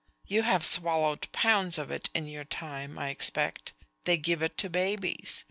You have swallowed pounds of it in your time, I expect. They give it to babies.